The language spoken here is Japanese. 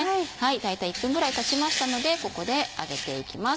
大体１分ぐらいたちましたのでここで上げていきます。